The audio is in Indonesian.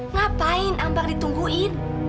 ngapain ambar ditungguin